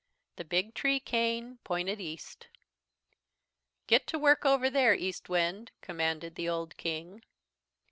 The big tree cane pointed east. "'Get to work over there, Eastwind,' commanded the old King.